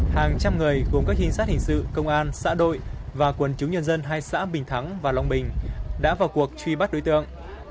hàng trăm người gồm các trinh sát hình sự công an xã đội và quần chúng nhân dân hai xã bình thắng và long bình đã vào cuộc truy bắt đối tượng